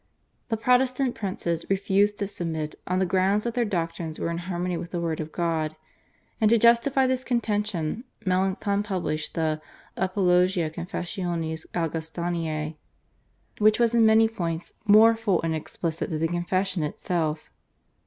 The Protestant princes refused to submit on the ground that their doctrines were in harmony with the Word of God, and to justify this contention Melanchthon published the /Apologia Confessionis Augustanae/, which was in many points more full and explicit than the Confession itself.